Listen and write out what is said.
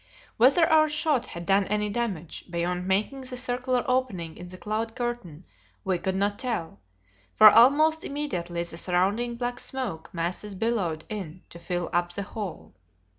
Whether our shot had done any damage, beyond making the circular opening in the cloud curtain, we could not tell, for almost immediately the surrounding black smoke masses billowed in to fill up the hole.